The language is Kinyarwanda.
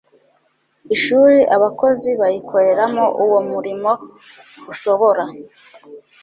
ishuri abakozi bayikoreramo Uwo murimo ushobora